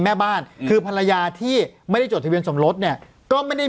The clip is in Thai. แม่บ้านคือภรรยาที่ไม่ได้จดทะเบียนสมรสเนี่ยก็ไม่ได้